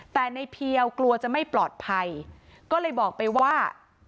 แต่ในเพียวกลัวจะไม่ปลอดภัยก็เลยบอกไปว่า